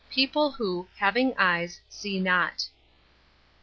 PEOPLE WHO, "HAVING EYES, SEE NOT."